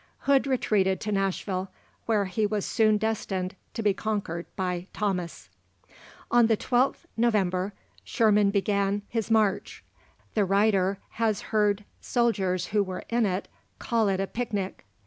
Hood retreated to Nashville, where he was soon destined to be conquered by Thomas. On the 12th November, Sherman began his march. The writer has heard soldiers who were in it call it a picnic.